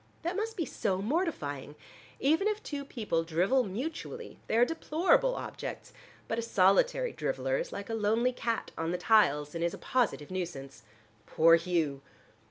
That must be so mortifying. Even if two people drivel mutually they are deplorable objects, but a solitary driveler is like a lonely cat on the tiles, and is a positive nuisance. Poor Hugh!